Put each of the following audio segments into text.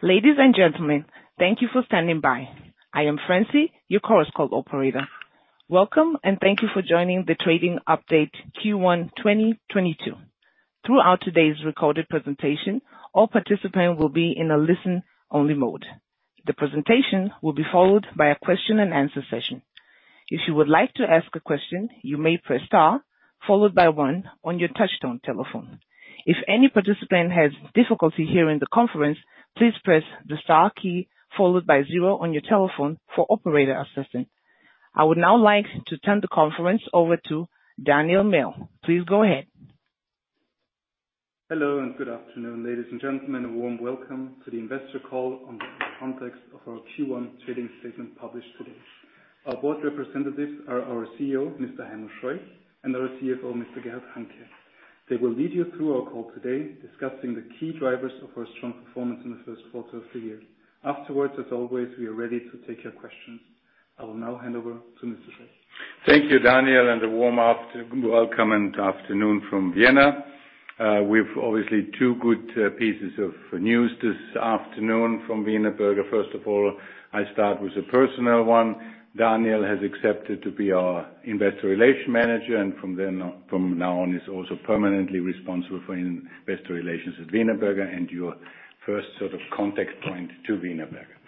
Ladies and gentlemen, thank you for standing by. I am Franci, your operator. Welcome and thank you for joining the trading update Q1 2022. Throughout today's recorded presentation, all participants will be in a listen-only mode. The presentation will be followed by a question-and-answer session. If you would like to ask a question, you may press star followed by one on your touchtone telephone. If any participant has difficulty hearing the conference, please press the star key followed by zero on your telephone for operator assistance. I would now like to turn the conference over to Daniel Mehl. Please go ahead. Hello and good afternoon, ladies and gentlemen. A warm welcome to the investor call in the context of our Q1 trading statement published today. Our board representatives are our CEO, Mr. Heimo Scheuch, and our CFO, Mr. Gerhard Hanke. They will lead you through our call today discussing the key drivers of our strong performance in the first quarter of the year. Afterwards, as always, we are ready to take your questions. I will now hand over to Mr. Scheuch. Thank you, Daniel, and a warm afternoon welcome from Vienna. We've obviously two good pieces of news this afternoon from Wienerberger. First of all, I start with a personal one. Daniel has accepted to be our investor relations manager and from now on is also permanently responsible for investor relations at Wienerberger and your first sort of contact point to Wienerberger.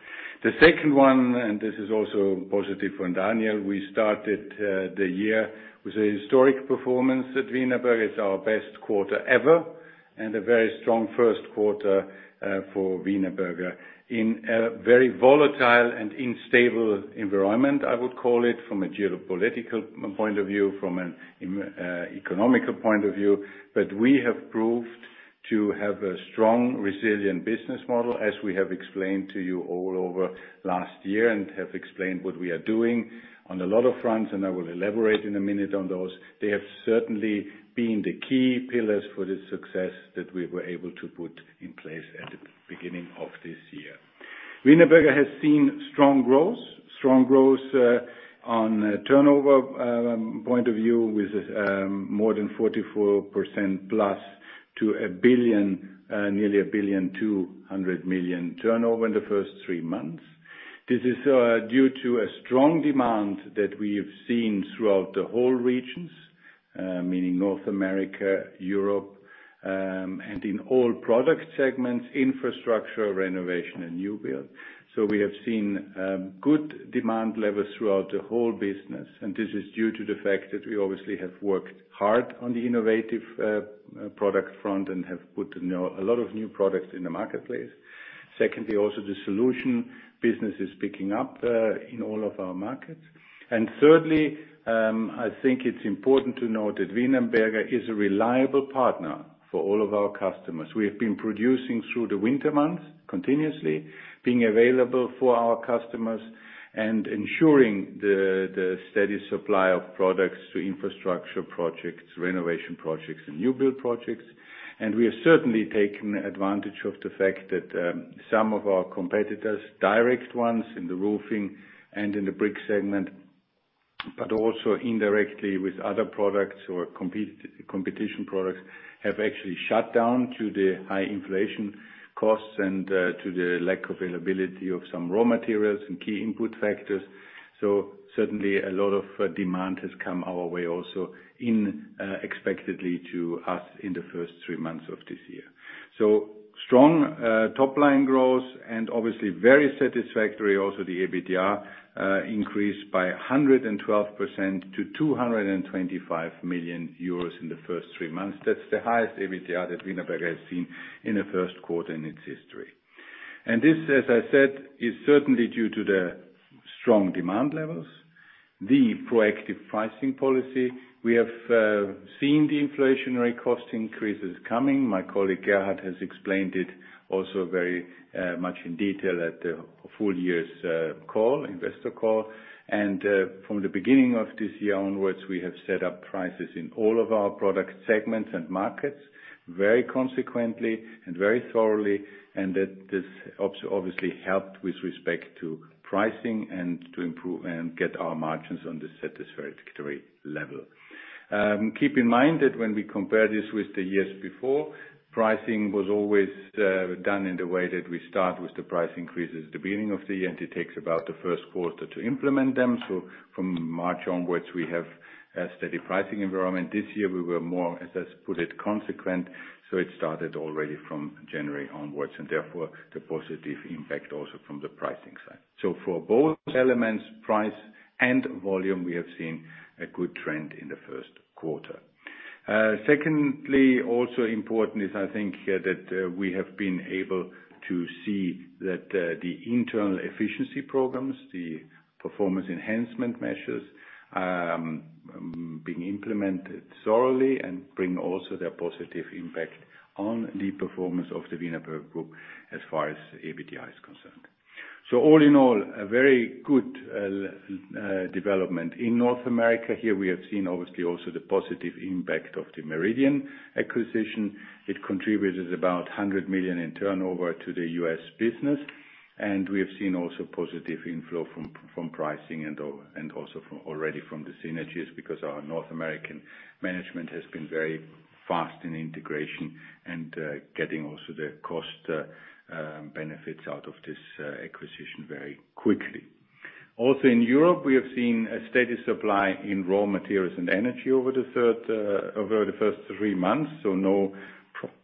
The second one, and this is also positive for Daniel, we started the year with a historic performance at Wienerberger. It's our best quarter ever and a very strong first quarter for Wienerberger. In a very volatile and unstable environment, I would call it, from a geopolitical point of view, from an economic point of view. We have proved to have a strong, resilient business model, as we have explained to you all over last year and have explained what we are doing on a lot of fronts, and I will elaborate in a minute on those. They have certainly been the key pillars for the success that we were able to put in place at the beginning of this year. Wienerberger has seen strong growth on a turnover point of view with more than 44%+ to a billion, nearly 1.2 billion turnover in the first three months. This is due to a strong demand that we have seen throughout the whole regions, meaning North America, Europe, and in all product segments, infrastructure, renovation and new build. We have seen good demand levels throughout the whole business, and this is due to the fact that we obviously have worked hard on the innovative product front and have put a lot of new products in the marketplace. Secondly, also the solution business is picking up in all of our markets. Thirdly, I think it's important to note that Wienerberger is a reliable partner for all of our customers. We have been producing through the winter months continuously, being available for our customers and ensuring the steady supply of products to infrastructure projects, renovation projects and new build projects. We have certainly taken advantage of the fact that some of our competitors, direct ones in the roofing and in the brick segment, but also indirectly with other products or competition products, have actually shut down due to the high inflation costs and to the lack availability of some raw materials and key input factors. Certainly a lot of demand has come our way also in expectedly to us in the first three months of this year. Strong top-line growth and obviously very satisfactory also the EBITDA increase by 112% to 225 million euros in the first three months. That's the highest EBITDA that Wienerberger has seen in the first quarter in its history. This, as I said, is certainly due to the strong demand levels, the proactive pricing policy. We have seen the inflationary cost increases coming. My colleague Gerhard has explained it also very much in detail at the full year's call, investor call. From the beginning of this year onwards, we have set up prices in all of our product segments and markets very consistently and very thoroughly, and that this obviously helped with respect to pricing and to improve and get our margins on the satisfactory level. Keep in mind that when we compare this with the years before, pricing was always done in the way that we start with the price increases at the beginning of the year, and it takes about the first quarter to implement them. From March onwards, we have a steady pricing environment. This year, we were more, as I put it, consequent, so it started already from January onwards and therefore the positive impact also from the pricing side. For both elements, price and volume, we have seen a good trend in the first quarter. Secondly, also important is I think here that we have been able to see that the internal efficiency programs, the performance enhancement measures, being implemented thoroughly and bring also their positive impact on the performance of the Wienerberger Group as far as EBITDA is concerned. All in all, a very good development. In North America, here we have seen obviously also the positive impact of the Meridian acquisition. It contributed about $100 million in turnover to the U.S. business. We have seen also positive inflow from pricing and also from the synergies, because our North American management has been very fast in integration and getting also the cost benefits out of this acquisition very quickly. Also in Europe, we have seen a steady supply in raw materials and energy over the first three months. No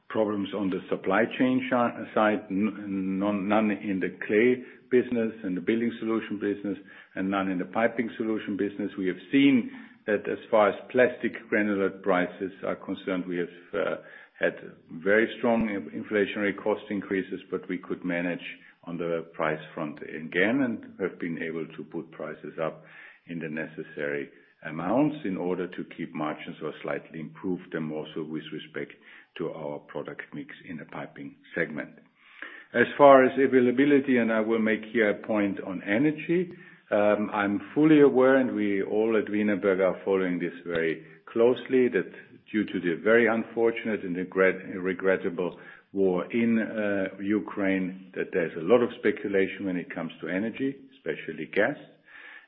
problems on the supply chain side. None in the clay business, in the building solution business, and none in the piping solution business. We have seen that as far as plastic granular prices are concerned, we have had very strong inflationary cost increases, but we could manage on the price front again, and have been able to put prices up in the necessary amounts in order to keep margins or slightly improve them also with respect to our product mix in the piping segment. As far as availability, and I will make here a point on energy, I'm fully aware, and we all at Wienerberger are following this very closely, that due to the very unfortunate and regrettable war in Ukraine, that there's a lot of speculation when it comes to energy, especially gas,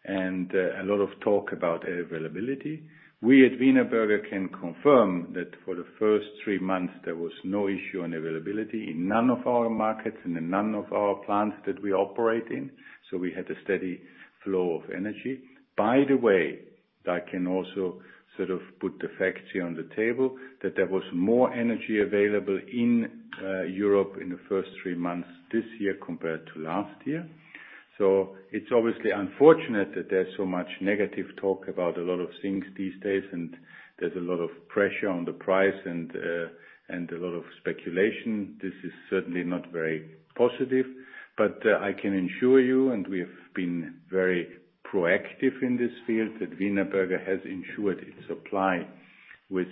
and a lot of talk about availability. We at Wienerberger can confirm that for the first three months, there was no issue on availability in none of our markets and in none of our plants that we operate in, so we had a steady flow of energy. By the way, I can also sort of put the facts here on the table that there was more energy available in Europe in the first three months this year compared to last year. It's obviously unfortunate that there's so much negative talk about a lot of things these days, and there's a lot of pressure on the price and a lot of speculation. This is certainly not very positive, but I can assure you, and we have been very proactive in this field, that Wienerberger has ensured its supply with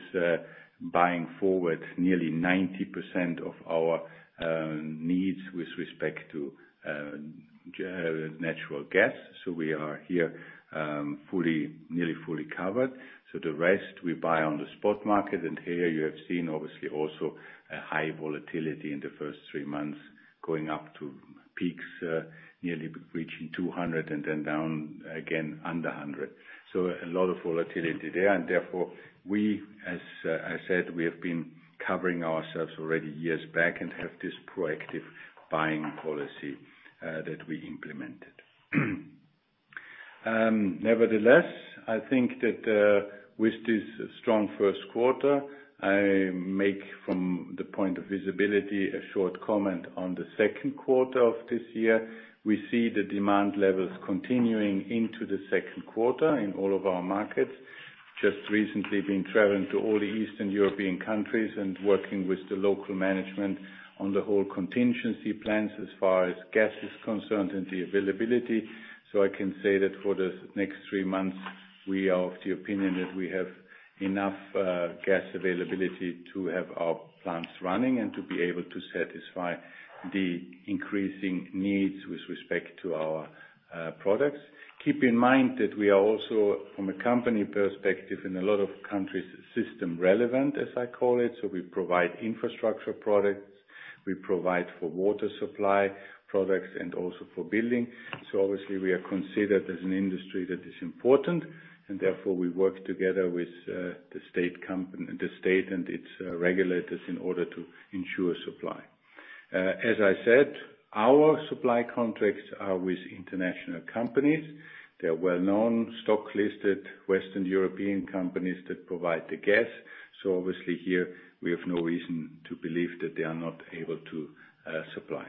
buying forward nearly 90% of our needs with respect to natural gas. We are here nearly fully covered. The rest we buy on the spot market, and here you have seen obviously also a high volatility in the first three months, going up to peaks nearly reaching 200 and then down again under 100. A lot of volatility there, and therefore we, as I said, we have been covering ourselves already years back and have this proactive buying policy that we implemented. Nevertheless, I think that with this strong first quarter, I make from the point of visibility a short comment on the second quarter of this year. We see the demand levels continuing into the second quarter in all of our markets. I have just recently been traveling to all the Eastern European countries and working with the local management on the whole contingency plans as far as gas is concerned and the availability. I can say that for the next three months, we are of the opinion that we have enough gas availability to have our plants running and to be able to satisfy the increasing needs with respect to our products. Keep in mind that we are also, from a company perspective, in a lot of countries, system relevant, as I call it. We provide infrastructure products, we provide for water supply products and also for building. Obviously, we are considered as an industry that is important, and therefore we work together with the state and its regulators in order to ensure supply. As I said, our supply contracts are with international companies. They're well-known, stock-listed Western European companies that provide the gas. Obviously here, we have no reason to believe that they are not able to supply.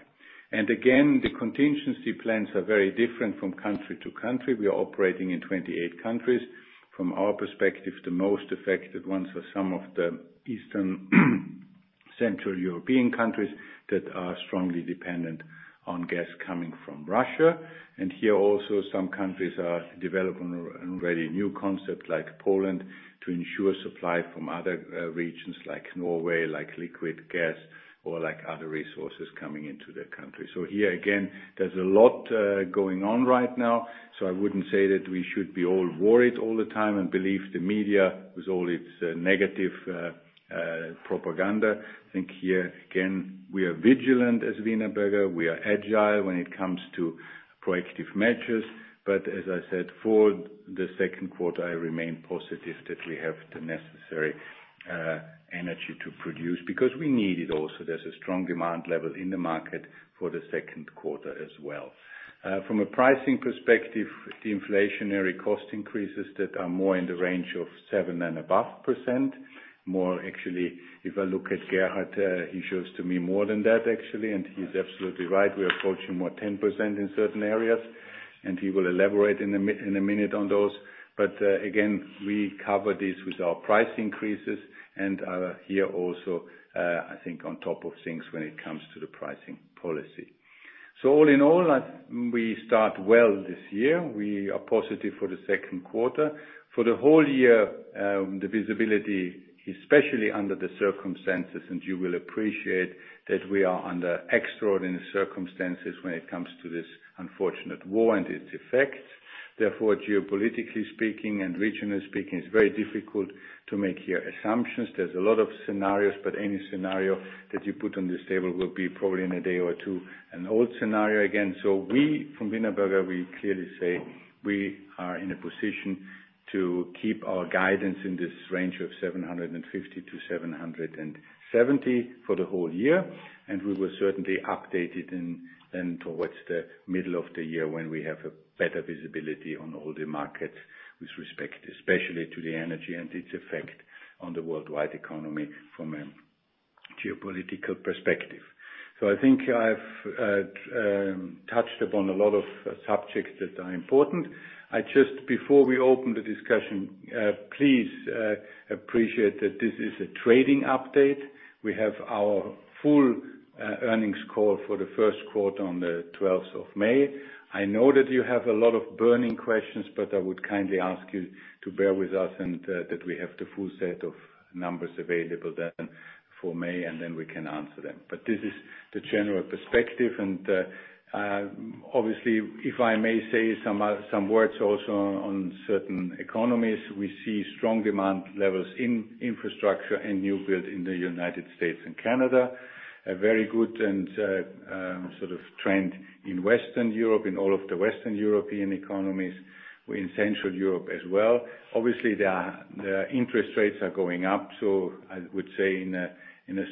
Again, the contingency plans are very different from country to country. We are operating in 28 countries. From our perspective, the most affected ones are some of the Eastern Central European countries that are strongly dependent on gas coming from Russia. Here also, some countries are developing a very new concept, like Poland, to ensure supply from other regions like Norway, like liquid gas, or like other resources coming into their country. Here again, there's a lot going on right now, so I wouldn't say that we should be all worried all the time and believe the media with all its negative propaganda. I think here again, we are vigilant as Wienerberger. We are agile when it comes to proactive measures. As I said, for the second quarter, I remain positive that we have the necessary energy to produce, because we need it also. There's a strong demand level in the market for the second quarter as well. From a pricing perspective, the inflationary cost increases that are more in the range of 7% and above, more actually, if I look at Gerhard, he shows to me more than that actually, and he's absolutely right. We are approaching more 10% in certain areas, and he will elaborate in a minute on those. Again, we cover this with our price increases and are here also, I think on top of things when it comes to the pricing policy. All in all, we start well this year. We are positive for the second quarter. For the whole year, the visibility, especially under the circumstances, and you will appreciate that we are under extraordinary circumstances when it comes to this unfortunate war and its effects. Therefore, geopolitically speaking and regionally speaking, it's very difficult to make your assumptions. There's a lot of scenarios, but any scenario that you put on this table will be probably in a day or two an old scenario again. We from Wienerberger, we clearly say we are in a position to keep our guidance in this range of 750-770 for the whole year, and we will certainly update it in, then towards the middle of the year when we have a better visibility on all the markets with respect especially to the energy and its effect on the worldwide economy from a geopolitical perspective. I think I've touched upon a lot of subjects that are important. Before we open the discussion, please appreciate that this is a trading update. We have our full earnings call for the first quarter on the 12th of May. I know that you have a lot of burning questions, but I would kindly ask you to bear with us and that we have the full set of numbers available then for May, and then we can answer them. This is the general perspective. Obviously, if I may say some words also on certain economies, we see strong demand levels in infrastructure and new build in the United States and Canada. A very good and sort of trend in Western Europe, in all of the Western European economies, in Central Europe as well. Obviously, the interest rates are going up, so I would say in a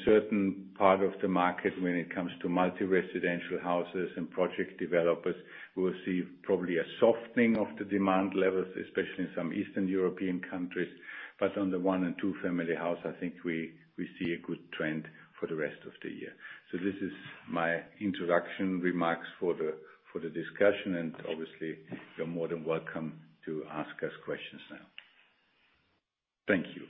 certain part of the market when it comes to multi-residential houses and project developers, we will see probably a softening of the demand levels, especially in some Eastern European countries. On the one and two-family house, I think we see a good trend for the rest of the year. This is my introduction remarks for the discussion, and obviously you're more than welcome to ask us questions now. Thank you.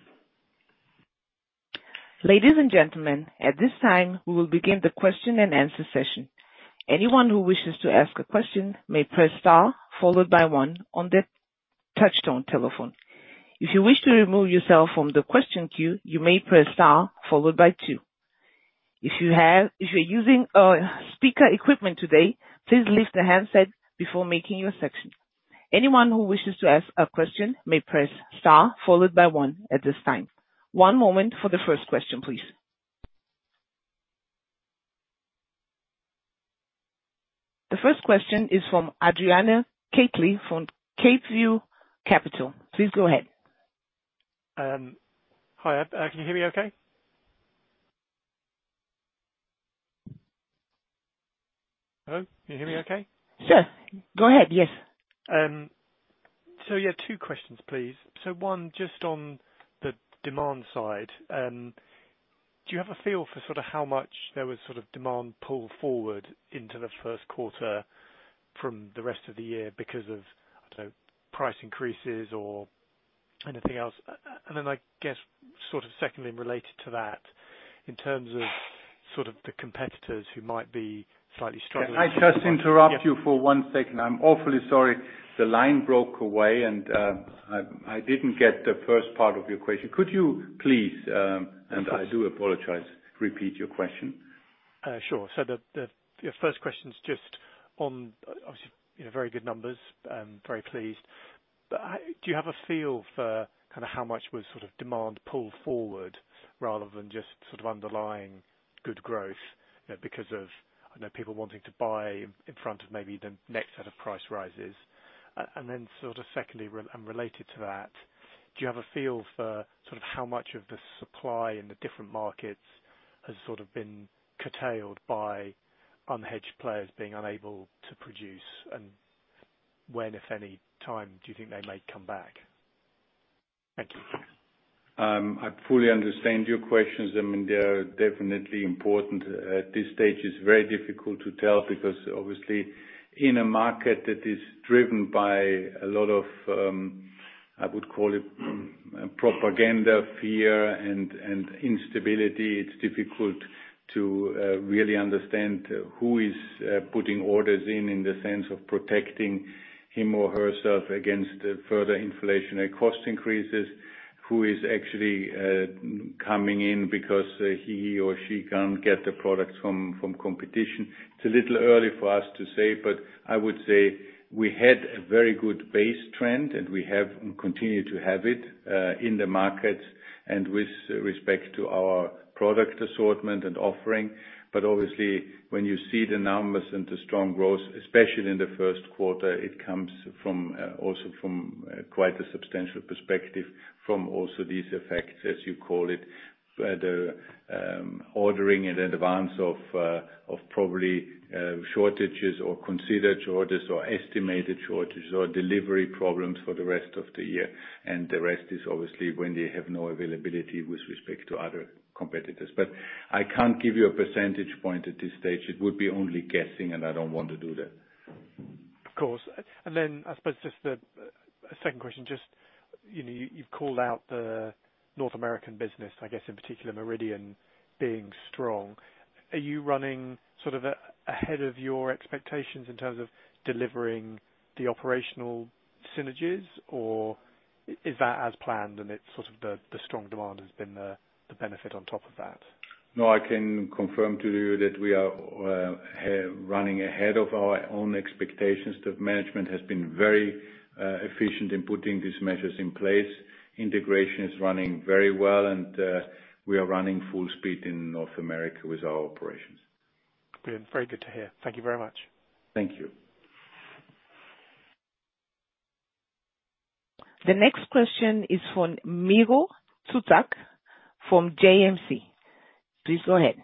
Ladies and gentlemen, at this time, we will begin the question and answer session. Anyone who wishes to ask a question may press star followed by one on the touchtone telephone. If you wish to remove yourself from the question queue, you may press star followed by two. If you're using speaker equipment today, please lift the handset before making your selection. Anyone who wishes to ask a question may press star followed by one at this time. One moment for the first question, please. The first question is from Adrian Cattley from CapeView Capital. Please go ahead. Hi. Can you hear me okay? Hello? Can you hear me okay? Sure. Go ahead, yes. Yeah, two questions, please. One, just on the demand side, do you have a feel for sort of how much there was sort of demand pulled forward into the first quarter from the rest of the year because of, I don't know, price increases or anything else? I guess sort of secondly related to that, in terms of sort of the competitors who might be slightly struggling- Can I just interrupt you for one second? Yep. I'm awfully sorry. The line broke away and I didn't get the first part of your question. Could you please and I do apologize, repeat your question? Sure. Your first question is just on obviously, you know, very good numbers, I'm very pleased. Do you have a feel for kinda how much was sort of demand pulled forward rather than just sort of underlying good growth, you know, because of, I know, people wanting to buy in front of maybe the next set of price rises? And then sort of secondly and related to that, do you have a feel for sort of how much of the supply in the different markets has sort of been curtailed by unhedged players being unable to produce? When, if any, time do you think they might come back? Thank you. I fully understand your questions. I mean, they are definitely important. At this stage, it's very difficult to tell because obviously in a market that is driven by a lot of, I would call it, propaganda, fear and instability, it's difficult to really understand who is putting orders in the sense of protecting him or herself against further inflationary cost increases. Who is actually coming in because he or she can't get the products from competition. It's a little early for us to say, but I would say we had a very good base trend, and we continue to have it in the markets and with respect to our product assortment and offering. Obviously, when you see the numbers and the strong growth, especially in the first quarter, it comes from also quite a substantial perspective from these effects, as you call it, where the ordering in advance of probably shortages or considered shortages or estimated shortages or delivery problems for the rest of the year. The rest is obviously when they have no availability with respect to other competitors. I can't give you a percentage point at this stage. It would be only guessing, and I don't want to do that. Of course. I suppose a second question, you know, you've called out the North American business, I guess in particular, Meridian being strong. Are you running sort of ahead of your expectations in terms of delivering the operational synergies, or is that as planned and it's sort of the strong demand has been the benefit on top of that? No, I can confirm to you that we are running ahead of our own expectations. The management has been very efficient in putting these measures in place. Integration is running very well, and we are running full speed in North America with our operations. Good. Very good to hear. Thank you very much. Thank you. The next question is from Miro Zuzak from JMC. Please go ahead.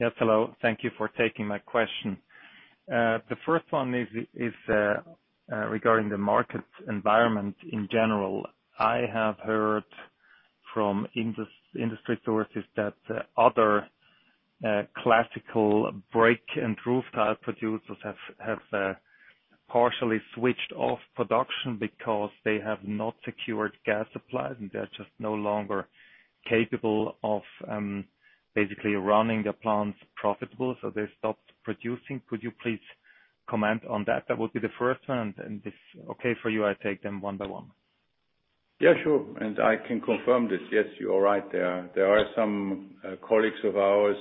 Yes. Hello. Thank you for taking my question. The first one is regarding the market environment in general. I have heard from industry sources that other classical brick and roof tile producers have partially switched off production because they have not secured gas supplies, and they're just no longer capable of basically running their plants profitably, so they stopped producing. Could you please comment on that? That would be the first one. If okay for you, I take them one by one. Yeah, sure. I can confirm this. Yes, you are right. There are some colleagues of ours,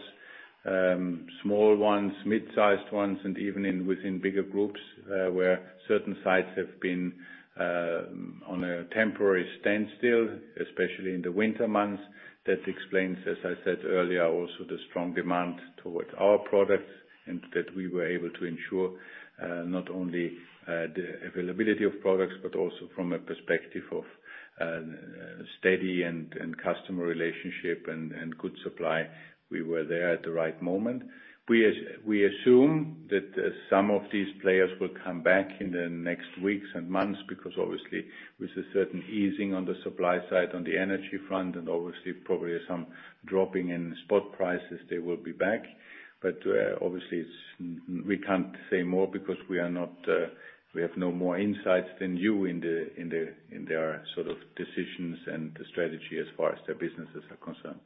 small ones, mid-sized ones, and even within bigger groups, where certain sites have been on a temporary standstill, especially in the winter months. That explains, as I said earlier, also the strong demand towards our products and that we were able to ensure not only the availability of products but also from a perspective of steady and customer relationship and good supply. We were there at the right moment. We assume that some of these players will come back in the next weeks and months because obviously with a certain easing on the supply side on the energy front and obviously probably some dropping in spot prices, they will be back. Obviously we can't say more because we are not, we have no more insights than you in their sort of decisions and the strategy as far as their businesses are concerned.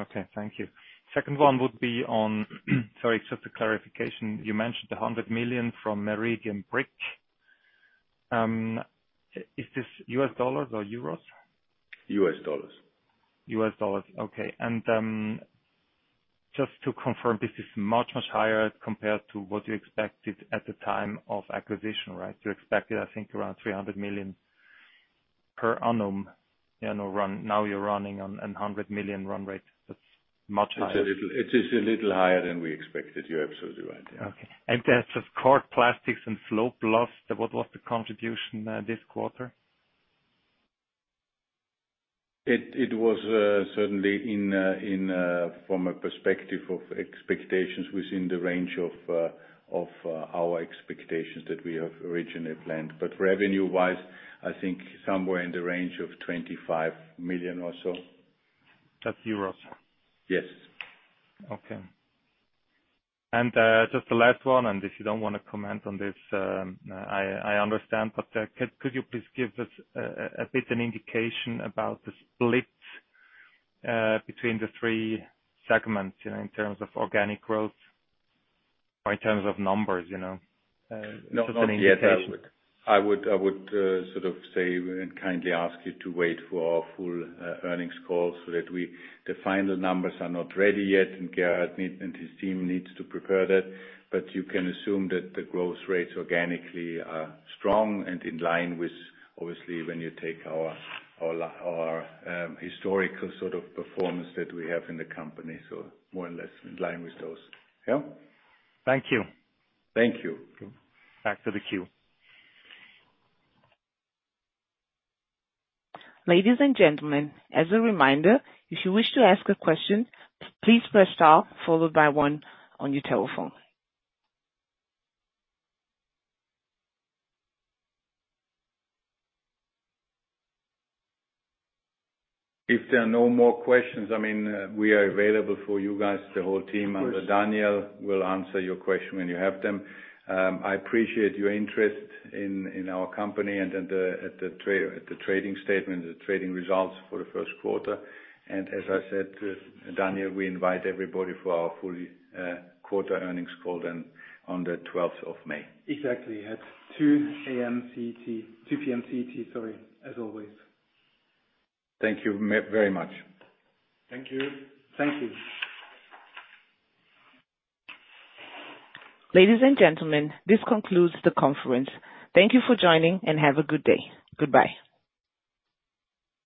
Okay. Thank you. Second one would be, sorry, just a clarification. You mentioned the 100 million from Meridian Brick. Is this U.S. dollars or euros? U.S. dollars. U.S. dollars. Okay. Just to confirm, this is much, much higher compared to what you expected at the time of acquisition, right? You expected, I think, around $300 million per annum, you know, now you're running on a $100 million run rate. That's much higher. It is a little higher than we expected. You're absolutely right. Yeah. Okay. Just Cork Plastics and FloPlast, what was the contribution this quarter? It was certainly from a perspective of expectations within the range of our expectations that we have originally planned. Revenue-wise, I think somewhere in the range of 25 million or so. That's euros? Yes. Okay. Just the last one, and if you don't wanna comment on this, I understand. Could you please give us a bit of an indication about the split between the three segments, you know, in terms of organic growth or in terms of numbers, you know, just as an indication. Not yet. I would sort of say and kindly ask you to wait for our full earnings call so that we. The final numbers are not ready yet, and Gerhard and his team needs to prepare that. You can assume that the growth rates organically are strong and in line with obviously when you take our historical sort of performance that we have in the company, so more or less in line with those. Yeah. Thank you. Thank you. Back to the queue. Ladies and gentlemen, as a reminder, if you wish to ask a question, please press star followed by one on your telephone. If there are no more questions, I mean, we are available for you guys, the whole team. Of course. Daniel will answer your question when you have them. I appreciate your interest in our company and in the trading statement, the trading results for the first quarter. As I said to Daniel, we invite everybody for our full quarter earnings call then on the twelfth of May. Exactly. At 2:00 P.M. CET, sorry, as always. Thank you very much. Thank you. Thank you. Ladies and gentlemen, this concludes the conference. Thank you for joining, and have a good day. Goodbye.